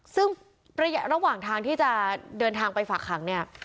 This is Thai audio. ซึ่งระยะระหว่างทางที่จะเดินทางไปฝากขังเนี่ย